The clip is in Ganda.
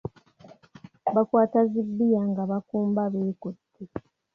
Bakwata zi bbiya nga bakumba beekutte.